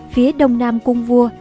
phía đông nam cung vua